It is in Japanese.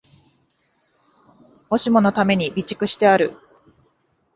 もしものために常に備蓄してある